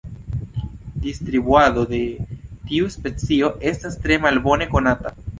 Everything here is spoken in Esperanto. Distribuado de tiu specio estas tre malbone konata.